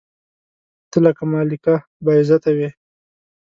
ته لکه مالکه بااعظمته وې